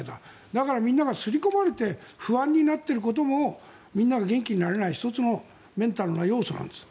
だからみんなが刷り込まれて不安になっていることもみんなが元気になれない１つのメンタルの要素なんです。